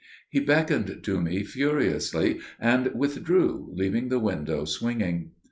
He beckoned to me furiously and withdrew, leaving the window swinging.